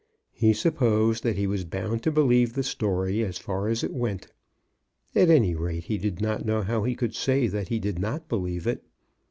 He supposed that he was bound to believe the story as far as it went. At any rate, he did not know how he could say that he did not believe it.